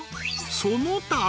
その他？